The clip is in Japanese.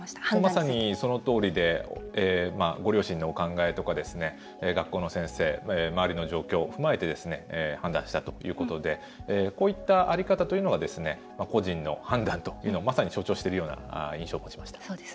まさにそのとおりでご両親のお考えとか学校の先生、周りの状況を踏まえて判断したということでこういった在り方というのが個人の判断を象徴していると印象を持ちました。